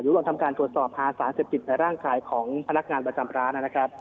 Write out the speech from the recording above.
อยู่หลังทำการตรวจสอบภาษาเศรษฐกิจในร่างกายของพนักงานประจำร้าน